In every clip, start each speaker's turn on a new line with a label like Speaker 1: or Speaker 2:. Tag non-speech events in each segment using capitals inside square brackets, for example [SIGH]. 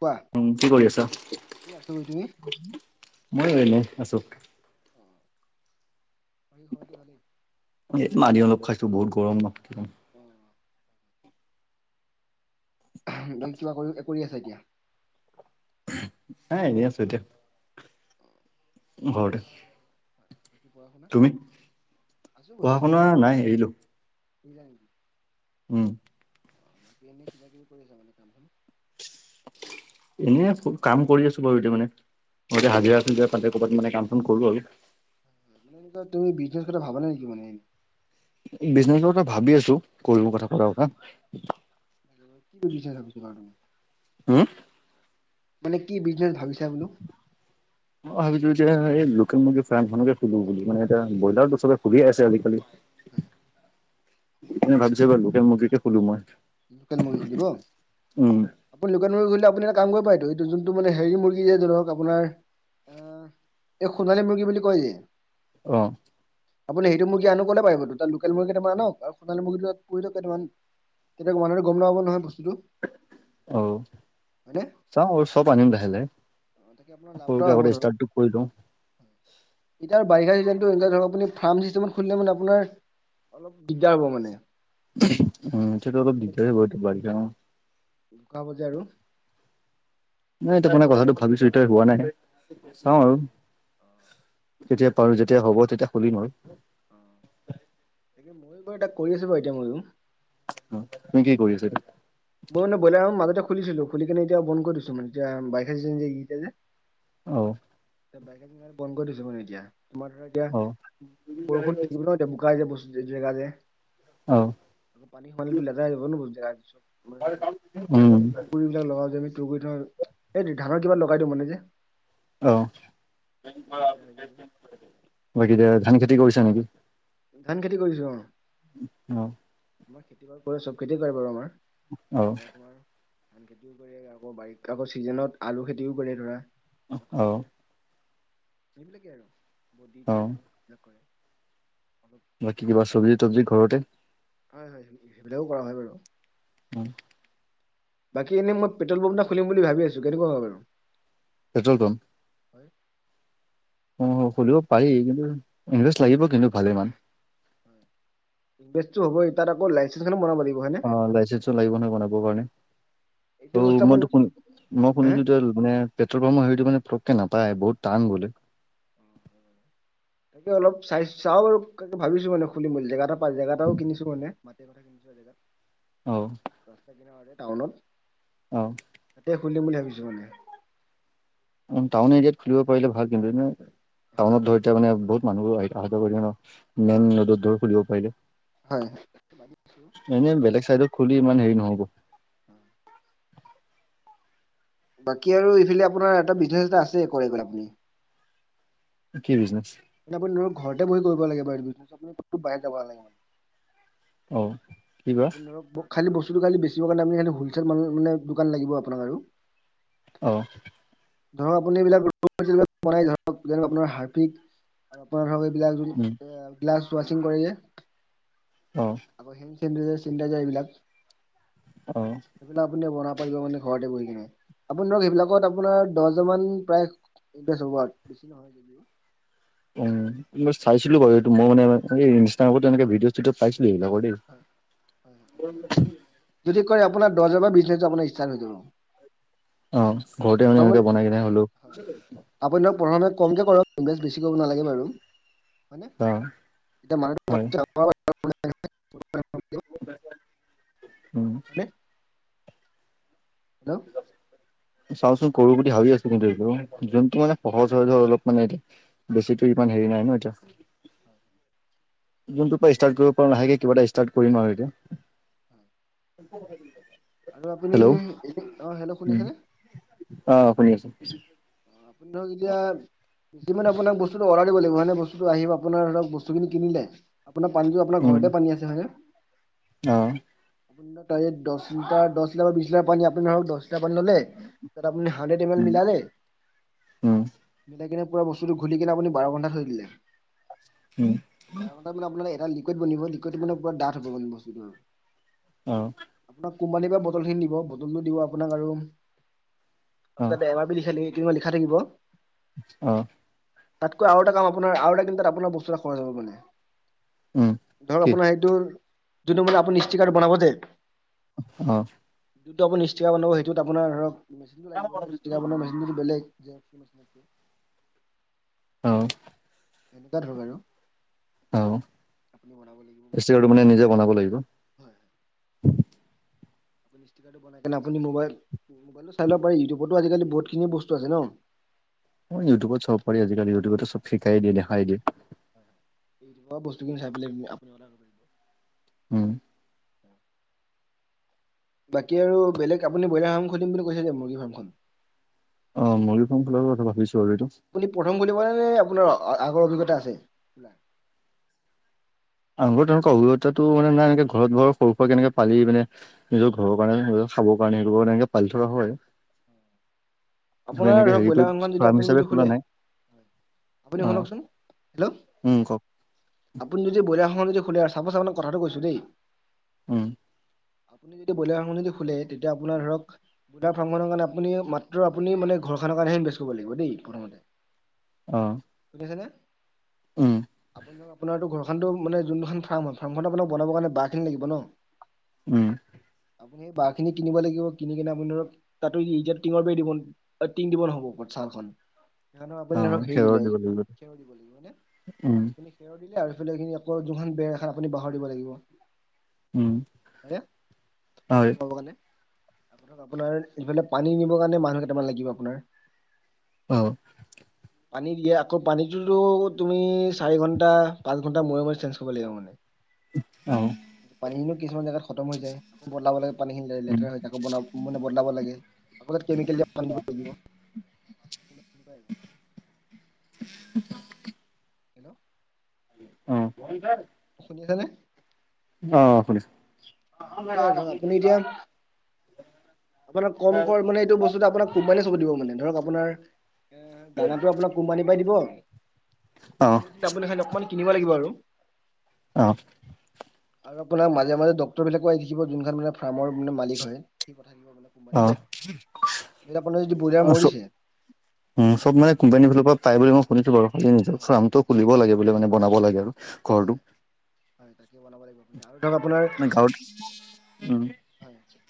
Speaker 1: কোৱা
Speaker 2: উম কি কৰি আছা
Speaker 1: এই আছো বহি তুমি?
Speaker 2: মই এনে আছো
Speaker 1: আহি খোৱাটো ভালেই
Speaker 2: এ মানি অলপ খাইছো বুতৰম ম
Speaker 1: উম বাকী কিবা কৰি কৰি আছে এতিয়া
Speaker 2: আহ এনে আছো এতিয়া ঘৰ
Speaker 1: বাকী পঢ়া শুনা?
Speaker 2: তুমি পঢ়া শুনা নাই এৰিলো
Speaker 1: কি য
Speaker 2: উম
Speaker 1: অ বাকী এনেই কিবা কিবি কৰি আছ মানে কাম চ
Speaker 2: এনেই কাম কৰি আছো বাৰুতিয়া মানে ম হাজিৰা আছিল পাতে ক'ৰবাত মানে কাম চোন কৰো আৰু
Speaker 1: মান তুমি বিজনেছ কৰা ভাবা নেকি মান
Speaker 2: বিজনেচৰ কথা ভাবি আছোঁ, কৰিব কথা পতা কথা।
Speaker 1: [UNINTELLIGIBLE]
Speaker 2: হম?
Speaker 1: মানে কি বিজনেচ ভাবিছা বোলোঁ?
Speaker 2: মই ভাবিছো যে এই লোকেল মুৰ্গী ফাৰ্মখননেকে খলোঁ বুলি মানে, এতিয়া ব্ৰইলাৰতো চবে খুলিয়ে আছে আজিকালি,
Speaker 1: উম,
Speaker 2: [UNINTELLIGIBLE] ভাবিছোঁ এইবাৰ লোকেল মূৰ্গীকে খোলোঁ মই।
Speaker 1: লোকেল মুৰ্গী খুলিব?
Speaker 2: উম,
Speaker 1: আপুনি লোকেল মুৰ্গী খুলিলে আপুনি কাম কৰিব পাইটো, এইটো যোনটো মানে হেৰি মুৰ্গী যে ধৰক আপোনাৰ, অ, এই সোণালী মুৰ্গী বুলি কয় যে,
Speaker 2: অহ,
Speaker 1: আপুনি সেইটো মুৰ্গী আনো ক'লে পাৰিব তাত লোকেল মুৰ্গী কেইটামাননক সোণাল মুৰ্গীটো তাতো কেইটামান। তেতিয়া মানে গম নাপাব নহয়, বস্তুটো।
Speaker 2: আহ,
Speaker 1: হয়নে?
Speaker 2: চাও অ চব আনিম লাহে লাহে।
Speaker 1: তাকে আপোনাৰ লাভ এটা
Speaker 2: সৰুকে
Speaker 1: হব
Speaker 2: আগতে ষ্টাৰ্টটো কৰি লওঁ।
Speaker 1: ধৰক এতিয়া বাৰিষা ধৰ আপু খে মানে আপোনাৰ অলপ দিগদাৰ হ'ব মানে।
Speaker 2: উম তেটো অলপ দিগদাৰি হব [UNINTELLIGIBLE]
Speaker 1: হব যে আৰু।
Speaker 2: নাই এতিয়া মাননে কথাটো ভাবিছো এতিয় হোৱা নাই। চাও আৰু তেতিয়া পাৰো যেতিয়া হ'ব তেতিয়া খুলিম আৰু।
Speaker 1: অ তে ময়ো বাৰু এাক কৰি আছো বাৰু এতিয়া ময়ো,
Speaker 2: অ, তুমি কি কৰি আছা এতিয়া?
Speaker 1: মই মানে বইলাৰ মাজতে খুলিছিলো খুলি কেনে এতিয়া বন্ধ কৰি দিছোঁ মানে এতিয়া [UNINTELLIGIBLE]
Speaker 2: অ,
Speaker 1: [UNINTELLIGIBLE] বন্ধ কৰি [UNINTELLIGIBLE] এতিয়া তোমাৰ ধৰা এতিয়া
Speaker 2: অ
Speaker 1: বৰষুণ থাকিব ন এতিয়া বোকা যে বস্ত জেগা যে
Speaker 2: অ
Speaker 1: আকৌ পানী সমালিো লেতেৰা যাব ন বু জেগাৰ পিছত ম এইবিলাক
Speaker 2: উম
Speaker 1: যিলাক পুকুৰৰি বিিলাক লগাও যাবি এই ধানৰ কিমান লগাই দি মানে যে
Speaker 2: আহ,
Speaker 1: [UNINTELLIGIBLE]
Speaker 2: বাকী এতিয়া ধান খেতি কৰিছা নেকি?
Speaker 1: ধান খেতি কৰিছোঁ অ,
Speaker 2: অ
Speaker 1: আমাৰ খেতি কৰে, চব খেতি কৰে বাৰু আমাৰ।
Speaker 2: আহ,
Speaker 1: ধৰা তোমাৰ ধান খেতিও কৰে, আকৌ বাৰী আকৌ চিজনত আলু খেতিও কৰে ধৰা
Speaker 2: অ
Speaker 1: [UNINTELLIGIBLE] সেইবিলাকেই আৰু বদি,
Speaker 2: অ
Speaker 1: তিহু এইবিলাক কৰে। অলপ
Speaker 2: বাকী কিবা চব্জি তবজি ঘৰতে।
Speaker 1: হয়, হয়, সেইবিলাকো কৰা হয় বাৰু।
Speaker 2: উম,
Speaker 1: বাকী এনেই মই পেট্ৰল পম্পটা খুলিম বুলি ভাবি আছোঁ কেনেকুৱা হব বাৰু?
Speaker 2: Petrol pump?
Speaker 1: [UNINTELLIGIBLE]
Speaker 2: অ, শুলিব পাৰি কিন্তু [UNINTELLIGIBLE] লাগিব কিন্তু ভালেমান।
Speaker 1: ইনভেষ্ট হবই তাত আকৌ লাইচেঞ্চ খানো বনাব লাগিব হয়নে
Speaker 2: অ, লাইচেন্ঞ্চো লাগিব নহয় বনাবৰ কাৰণে।
Speaker 1: এইটো
Speaker 2: অ,
Speaker 1: বস্তু আপুনি
Speaker 2: মইতো শু মই
Speaker 1: হে
Speaker 2: শুনিছো এতিয়া মানে পেট্ৰল পাম্পৰটো মানে কে নাপায় বহুত টান বোলে।
Speaker 1: তাকে অলপ চাই চাও আৰু ভাবিছোঁ মানে খুলি মেল জেগাটা পাই য জেগাটাও কিনিছোঁ মানে।
Speaker 2: অ
Speaker 1: [UNINTELLIGIBLE] টাউনত।
Speaker 2: আহ,
Speaker 1: তাতে খুলিম বুলি ভাবিছো মানে
Speaker 2: উ, টাউন এৰিয়াত খুলিব পাৰিলে ভাল, কিন্তু এ
Speaker 1: হয়
Speaker 2: টাউনত ধ এতিয়া মানে বহুত মানুহবোৰ আহিব পাইলে মেইন ৰুদত ধৰি পাৰিলে
Speaker 1: হয়
Speaker 2: এনেই বেলেগ চাইডত খুলি ইমান হেৰি নহব
Speaker 1: বাকী, আৰু ইফালে আপোনাৰ এটা বিজঞ্চে এটা আছে কৰিবলৈ আপুনি
Speaker 2: কি বিজনেছ?
Speaker 1: আপুনি ধৰি ঘৰতে বহি কৰিব লাগে কতো বাহিৰত যাব নালাগে
Speaker 2: অ কিবা
Speaker 1: আপোনাৰ খালি বস্তু বেছিবৰ কাৰণে হলচেল মানে দোকান লাগিব আপোনাৰ আৰু
Speaker 2: অ',
Speaker 1: ধৰক, আপুনি এইবিলাকাক বনাই ধৰক আপোনাৰ হাৰফিক আৰু আপোনাৰ
Speaker 2: উম
Speaker 1: ধৰক গ্লাছ ৱাচিং কৰে যে
Speaker 2: অ',
Speaker 1: চেনিটাইজা চেনিটাইজাৰ এইবিলাক,
Speaker 2: অ
Speaker 1: এইবিলাক আপুনিয়েই বনাব কৰিব ঘৰতে বহি আপুনি ধৰক সেইবিলাকত আপোনাৰ দহজন মান প্ৰায় এক্ৰছ হ'ব বেছি নহয়, যদিও
Speaker 2: অ', চাইছিলো বাৰু এইটো মই মানে এই ইনষ্টাগ্ৰামতো এনেকে ভিডিঅ' চিডিঅ ' পাই
Speaker 1: যদি কি কয় আপোনাৰ দহ হাজাৰ টকাত আপোনাৰ ইষ্টা হৈ যাব
Speaker 2: অ', ঘৰতে মানে
Speaker 1: প্ৰথমত
Speaker 2: এনেকে বনাই কিনে হলো
Speaker 1: হয় আপুনি ধৰক প্ৰথমে কমকে কৰ বেছি কৰিব নালাগে বাৰু, হয়
Speaker 2: অ
Speaker 1: এতিয়া
Speaker 2: হয়
Speaker 1: মানুহ
Speaker 2: উম
Speaker 1: হেল্লৌ
Speaker 2: চাওঁচোন কৰো বুলি ভাবি আছো, কিন্তু এইবোৰ যোনটো মানে সহজহজৰ অলপ মানে এতিয়া বেছি তেই হেৰি নাই ন এতিয়া
Speaker 1: হয়,
Speaker 2: যোনটোৰ পৰা ষ্টাৰ্ট
Speaker 1: তাকেই
Speaker 2: কৰিব পাৰো, লাহেকে কিবা এটা ষ্টাৰ্ট কৰিম আৰু এতিয়া
Speaker 1: হয়। আৰু আপুনি,
Speaker 2: হেল্ল'
Speaker 1: এ অ হেল্ল'
Speaker 2: উম
Speaker 1: শুনিছেনে?
Speaker 2: অ ', শুনি আছো
Speaker 1: অ ধৰক, এতিয়া কিমান আপোনাক বস্তু অৰ্ডা দিব লাগিব হয়ে বস্তুটো আহিব আপোনাৰ ধৰক বস্তুখিনি কিনিলে, আপোনাৰ পানীটো আপোনাৰ ঘৰতে পানী আছে হয় নে?
Speaker 2: অহ,
Speaker 1: আপোন তাৰ দহ লিটাৰ, দহ লিটাৰ, বা বিশ লিটাৰ পানী আপুনি ধৰক দহ লিটা পানী ললে, তাত আপুনি হাড্ৰেড এ এল মিলালে
Speaker 2: উম,
Speaker 1: নে পুৰা বস্তুটো ঘুলি কিনে আপুনি বাৰ ঘন্টা থৈ দিলে, বাৰ ঘন্টা মানে আপোনাৰ এক এ লিকুইড বনিব, লিকুডত মানে পুৰা ডাঠ হব মানে বস্তুটো আৰু
Speaker 2: আহ,
Speaker 1: কোম্পানীৰ পৰা বটল খিনি দিব, বটলটো দিব আপোনাক আৰু
Speaker 2: অ
Speaker 1: তাতে এমাৰ পি লিখালি লিখা থাকিব।
Speaker 2: আহ,
Speaker 1: তাতকৈ আৰু এটা কাম আপোনাৰ আৰু এটান্তু তাত আপোনাৰ বস্তু এটা খৰচ হব মানে ধৰক, আপোনাৰ সেইটো যোনটো মানে আপুনিষ্টিকাৰ্ড বনাব যে
Speaker 2: আহ,
Speaker 1: যিটো আপুনি ষ্ট্ৰিকা বনাব সেইটো আপোনাৰ ধৰক, মেচিনটো লাগিব ন ষ্টিকা বনোৱা মেচিনটো বেলেগ হয়নে
Speaker 2: অ',
Speaker 1: এনেকুৱা ধৰক আৰু আপুনি বনাব লাগিব বস্তুটো
Speaker 2: ষ্টিকাটো মানে, নিজে বনাব লাগিব
Speaker 1: হয় ষ্টিকাৰটো বনাই আপুনি মবাইল মোবাইলটো চাই ল পাৰি ইউটিবতো আজিকালি বহুত খিনি বস্তু আছে ন।
Speaker 2: অ' ইউটিউবত চাব পাৰি আজিকালি ইউটিউবতো চব শিকাই দিয়ে দেখাই দিয়ে।
Speaker 1: বাৰু বস্তুখিনি চাই পেলাই দিব আপুনি।
Speaker 2: উম।
Speaker 1: বাকী আৰু বেলেগ আপুনি ব্ৰইলাৰ ফাৰ্ম খুলিম বুলি কৈছিলে, মুৰ্গী ফাৰ্মখন।
Speaker 2: অ' মুৰ্গী ৰ্ফাম খোলাৰ কথা ভাবিছো। আৰু এইটো
Speaker 1: আপুনি প্ৰথম খুলিবনে নে আপোনাৰ আগৰ অভিজ্ঞতা আছে?
Speaker 2: আগৰ তেনেকুৱা অভিজ্ঞতাটো মানে নাই এনেকে ঘৰত ঘৰৰ সৰু সুৰা কে এনেকে পালি মানে নিজৰ ঘৰৰ কাৰণে খাবৰ কাৰণে এনেকে পালি থকা হয়।
Speaker 1: আপোনাৰ
Speaker 2: এনেকে
Speaker 1: ধৰক
Speaker 2: হেৰি কৰি
Speaker 1: ব্ৰইলাৰ ৰ্ফামখন যদি
Speaker 2: ফাৰ্ম
Speaker 1: আপুনি
Speaker 2: হিচাপে
Speaker 1: যদি
Speaker 2: খোলা
Speaker 1: খোলে
Speaker 2: নাই
Speaker 1: আপুনি
Speaker 2: অ
Speaker 1: শুনকচোন হেল্ল'
Speaker 2: উম কওক
Speaker 1: আপুনি যদি বয়লাৰ ৰ্ফাম খন যদি খোলে, চাপ'ছ আপোনাক কথাটো কৈছো দেই।
Speaker 2: উম।
Speaker 1: আপুনি যদি ব্ৰইলাৰ ৰ্ফামখন যদি খোলে, তেতিয়া আপোনাৰ ধৰক ব্ৰলাৰ ৰ্ফাম খনৰ কাৰণে আুপুনি মাত্ৰ আপুনি মানে ঘৰখানৰ কাৰণে ইনভেষ্ট কৰিব লাগিব দেই, প্ৰথমতে
Speaker 2: অ'।
Speaker 1: বুজি পাইছেনে?
Speaker 2: উম
Speaker 1: আপোনাৰতো ঘৰ খান, মানে যোন দুখন ফাৰ্ম হয় ফাৰ্মখন আপোনাক বনাব কাৰণে বাঁহ খিনি লাগিব ন।
Speaker 2: উম।
Speaker 1: আপুনি স বাঁহ খিন কিনিব লাগিব কিন কিনে আপুনি ধৰক তাতো ইটা টিঙৰ বাৰ দিব অ' টিং দিব নহ'ব ওপৰত ছালখন। সেইকাৰণ আপুনি
Speaker 2: অ
Speaker 1: ধৰক হেৰি
Speaker 2: খেৰৰ
Speaker 1: দিলে আৰু
Speaker 2: দিব লাগিব উম
Speaker 1: এইফালে এইখিনি আকৌ যোনখন বেৰ এখন আপুনি বাহঁৰ দিব লাগিব।
Speaker 2: উম হয়
Speaker 1: বইত সাব কাৰণে [UNINTELLIGIBLE] আপোনাৰ এইফালে পানী নিবৰ কাৰণে মানুহ কেইটামান লাগিব। আপোনাৰ
Speaker 2: অ'।
Speaker 1: পানী দিয়া, আকৌ পানীটোতো তুমি চাৰি ঘণ্টা পাঁচ ঘণ্টা মূৰে মূৰে চেঞ্জ কৰিব লাগিব মানে।
Speaker 2: অ
Speaker 1: পানীখিনিও কিছুমান জোগাত খতম হৈ যায় আকৌ বদলাব লাগে পানীখিনি
Speaker 2: উম
Speaker 1: লেতেৰা হৈ যায় আকৌ বনা মানে বদলাব লাগে। আ কেমিকেল দিয়া পানী দিব লাগিব। হেল্ল'
Speaker 2: অ'
Speaker 1: শুনিছেনে?
Speaker 2: অ' শুনিছো।
Speaker 1: দে ৰ, আপুনি এতিয়া আপোনাৰ কম কৰ মানে এইটো বস্তু আপোনাক কোম্পেনিয়ে চকু দিব। মানে ধৰক আপোনাৰ এ দানাটো আপোনাক কোম্পানীৰ পাৰাই
Speaker 2: অ
Speaker 1: দিব আপোনাৰ অকমান কিনিব লাগিব আৰু।
Speaker 2: অ'
Speaker 1: আৰু আপোনাৰ মাজে মাজে ডক্তৰ বিলাকো আহি থাকিব, যোনখন মানে ফাৰ্মৰ মানে মালিক হয়।
Speaker 2: অ
Speaker 1: এতিয়া আপোনাৰ যদি ব্ৰইলাৰ
Speaker 2: অ চব
Speaker 1: মৰিছে
Speaker 2: উম চব
Speaker 1: হেল্ল'
Speaker 2: মানে কোম্পানী ফালৰ পৰা পাই বুলি মই শুনিছো বাৰু, খালি নিজৰ ফাৰ্মটো খুলিব লাগে বুলি মানে বনাব লাগে আৰু। ঘৰটো,
Speaker 1: হয় হয় তাকে বনাব লাগিব আপুনি আৰু ধৰক
Speaker 2: মানে গাঁৱত উম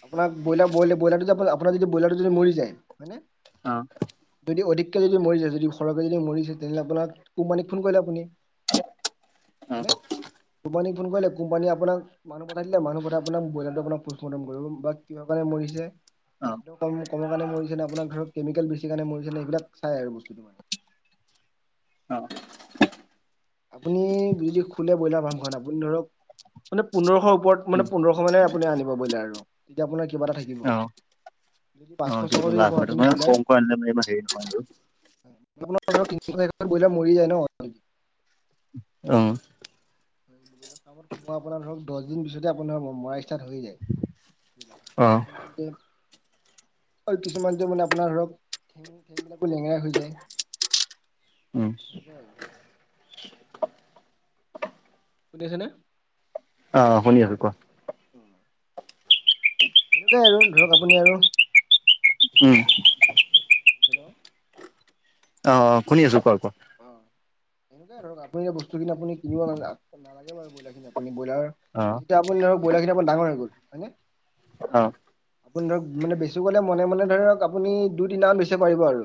Speaker 1: আপোনাৰ ব্ৰইলাৰ ব্ৰইলাৰ ব্ৰইলাৰ আপোনাৰ ব্ৰইলাৰতো মৰি যায়। হয়নে
Speaker 2: অ'।
Speaker 1: যদি অধিককে যদি মৰি যদি সৰহকে যদি মৰিছে তেনেহলে আপোনাক কোম্পীক ফোন কৰিলে আপুনি
Speaker 2: অ
Speaker 1: হয়নে কোম্পানীক ফোন কৰিলে কোম্পানীয়ে আপোনাক মানহ পঠাই দিলে, মানুহ পঠাই আপোনাক ব্ৰইলাৰটো আপোন বা কিয় মৰিছে
Speaker 2: অ
Speaker 1: কিহ'ৰ কাৰণে মৰিছে ন আপোনাৰ কেমিকেল ণে মৰিছেেন এইবিলাক চাই আৰু বস্তুটো মানে।
Speaker 2: অ',
Speaker 1: আপুনি [UNINTELLIGIBLE] খোলে ব্ৰইলাৰ ফাৰ্মখন আপুনি ধৰক মানে, পোন্ধৰশৰ ওপৰত
Speaker 2: উম
Speaker 1: মানে, পোন্ধৰশ মানে আপুনি আনিব ব্ৰইলা আৰু এতিয়া আপোনাক। কিবা এটা থাকিব।
Speaker 2: অ
Speaker 1: যদি পাঁচশ ছশ যদি কয় আপুনি
Speaker 2: [INAUDIBLE]
Speaker 1: আপুনা তিনি চাৰিটা ব্ৰইলাৰ মৰি ন।
Speaker 2: অ, '
Speaker 1: মই আপুনা ধৰক, মই আপোনাৰ ধৰক দহ দিন পিছতে আপোন ধক মই আহিছু। দুটা ধৰিলে তেওঁ।
Speaker 2: অ
Speaker 1: অ', কিছুমান যে মানে আপোনাৰ ধৰক ঠেং ঠেং বিলাকো লেঙেৰা হৈ যায়।
Speaker 2: উম
Speaker 1: সেই। শুনিছেনে।
Speaker 2: অ ', শুনি আছো কোৱা?
Speaker 1: সেইতু আৰু ধৰক আপুনি আৰু
Speaker 2: উম।
Speaker 1: হেল্ল'।
Speaker 2: অ', শুনি আছো কোৱা কৱা
Speaker 1: অ', এনেকুৱাই ধৰক আপুনি বস্তুখিনি আপুনি কিনিব নালাগে বাৰু ব্ৰইলাৰ খিনি আপুনি। ব্ৰইলাৰ
Speaker 2: অ
Speaker 1: এতিয়া আপুনি ধৰক ব্ৰইলাৰ খিনি আৰু ডাঙৰ হৈ গ'ল হয় নে।
Speaker 2: অ, '
Speaker 1: আপুনি ধৰক, মানে বেছি গলে মনে মনে ধৰক আপুনি দুই তিনিাম লৈছে পাৰিব আৰু।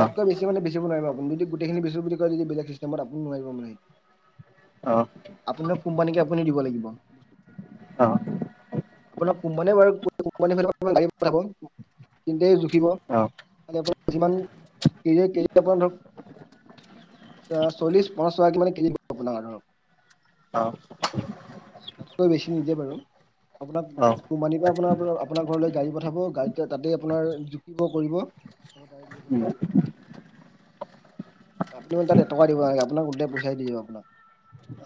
Speaker 2: অ
Speaker 1: তাতকৈ বেছি মানে। নোৱাৰ আুনি যদি গোটেইখিনি, বেচু বুলি কয় যদি বেলেগ চিষ্টমত আপুনি নোৱাৰিব মানে।
Speaker 2: অ
Speaker 1: আপোনাৰ কোম্পানীকে আপুনি দিব লাগিব। আপোনাৰ কোম্পানী বাৰু [UNINTELLIGIBLE] দিয়ে সিহতহে জুখিব
Speaker 2: অ অ
Speaker 1: আপোন যিমান কেজি [UNINTELLIGIBLE] চল্লিশ পঞ্চশ টকা মানে কেজি আপোনাক ধৰ,
Speaker 2: অ
Speaker 1: তাতকৈ বেছি নিদে বাৰু। আপোনাক
Speaker 2: অ
Speaker 1: কোম্পানী পৰা আপোনাৰ আপোনাৰ ঘৰলৈ গাড়ী পঠাব, গাড়ী তাতে আপোনাৰ জুকিব কৰিব। তহ তাৰে দুদিন
Speaker 2: উম
Speaker 1: কৰিব লগিছিল। [INAUDIBLE] আপোনি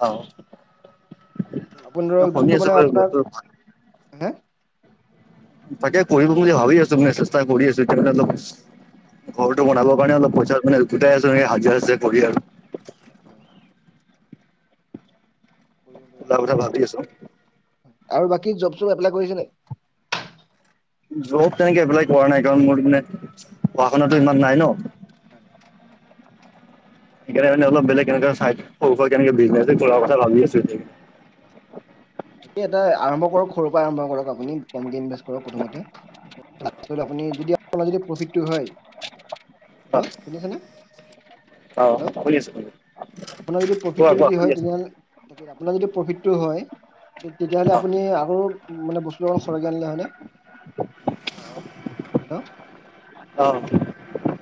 Speaker 2: অ
Speaker 1: ধৰক
Speaker 2: শুনি
Speaker 1: যোনটো
Speaker 2: আছো
Speaker 1: মানে আপোনাক
Speaker 2: বাৰু
Speaker 1: হে
Speaker 2: তাকে, কৰিম বুলি ভাবি আছো মানে চেষ্টা কৰি আছো ঘৰটো
Speaker 1: হয়
Speaker 2: বনাবৰ কাৰণে অলপ পইচা মানে গোটাই আছো স হাজিৰা হাজিৰ কৰি আৰু
Speaker 1: উম। কৰিব পাৰে
Speaker 2: এটা
Speaker 1: আপুনি
Speaker 2: কঠা ভাবি আছো।
Speaker 1: আৰু বাকী জব চব এপলাই কৰিছে নাই
Speaker 2: যব তেনেকে এপ্লাই কৰা নাই, কাৰণ মোৰ মানে পঢ়া শুনাটো ইমান নাই ন। সেইকাৰণে মানে, অলপ বেলেগ চাই সৰুৰ সুৰা বিচনছ কৰা কথাভাবি আছু।
Speaker 1: তাকে, এটা আৰম্ভ কৰক সৰুৰ পৰা আৰম্ভ কৰক আপুনি কমকে ইনভেষ্ট কৰক প্ৰথমতে। তাৰ পিছত আপুনি যদিদি প্ৰফিটটো হয়।
Speaker 2: অ।
Speaker 1: হা শুনি ছেনে? হেল্ল,
Speaker 2: শুনি আছো শুনি আছো
Speaker 1: আপোনাৰ যদি প্ৰফিটটো
Speaker 2: কোৱা কোৱা
Speaker 1: যদি হয়
Speaker 2: শুনি আছো।
Speaker 1: তেতিয়াহলে তাকে, আপোনাৰ যদি প্ৰফিটটো হয়। তেতিয়াহলে, আপুনি আৰু মানে বস্তু অলপ খৰকে আনিলে হলে। হেল্ল'।
Speaker 2: অ, '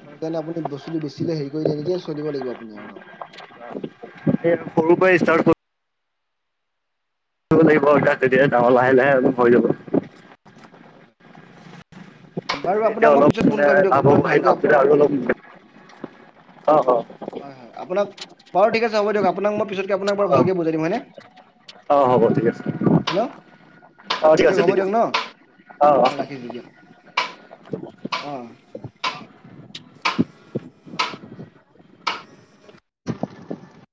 Speaker 1: সেইকাৰণে, আপুনি বস্তুটো বেছিলে হেৰি কৰি চলিব লাগিব আপুনি আৰু।
Speaker 2: সৰুপৰাই। দিব লাগিব তেতিয়া, ডাঙৰ লাহে লাহে হৈ যাব।
Speaker 1: বাৰু
Speaker 2: এতিয়া,
Speaker 1: আপোনাক মই
Speaker 2: অলপ
Speaker 1: পিছত ফোন
Speaker 2: মানে
Speaker 1: কৰিম দিয়ক
Speaker 2: লাভ হব
Speaker 1: আপোনাক ভালকে
Speaker 2: লাভৰে
Speaker 1: আপোনাক
Speaker 2: আৰু অলপ অ', অ',
Speaker 1: হয়, হয়, আপোনাক বাৰু ঠিক আছে হ' দিয়ক আপোনাক মই আপোনাক বাৰু
Speaker 2: অ
Speaker 1: ভালকে বুজাই দিম হয় ননে
Speaker 2: অ', হব ঠিক আছে অ', ঠিক
Speaker 1: দিয়ক
Speaker 2: আছে থ
Speaker 1: হ'ব দিয়ক ন
Speaker 2: অ', অ',
Speaker 1: আহ,